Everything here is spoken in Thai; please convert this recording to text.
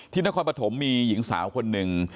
นครปฐมมีหญิงสาวคนหนึ่ง